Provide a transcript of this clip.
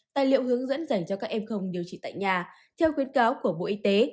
tài liệu hướng dẫn dành cho các f điều trị tại nhà theo khuyến cáo của bộ y tế